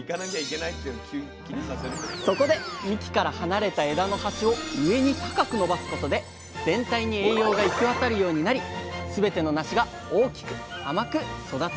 そこで幹から離れた枝の端を上に高く伸ばすことで全体に栄養が行き渡るようになりすべてのなしが大きく甘く育つんです